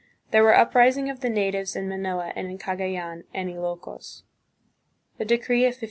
There were uprisings of the natives in Manila and in Cagayan and Ilokos. The Decree of 1589.